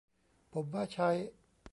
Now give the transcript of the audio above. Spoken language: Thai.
ผมว่าใช้